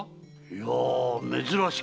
いや珍し